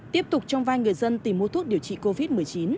tiếp tục trong vai người dân tìm mua thuốc điều trị covid một mươi chín